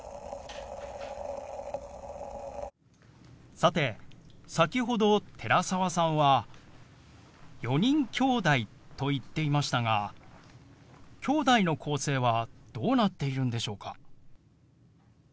さて先ほど寺澤さんは「４人きょうだい」と言っていましたがきょうだいの構成はどうなっているんでしょうか？